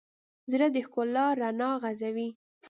زړه د ښکلا رڼا غځوي.